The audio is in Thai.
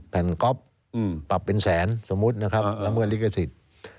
แผ่นก๊อฟปรับเป็นแสนสมมุตินะครับละเมิดลิขสิทธิ์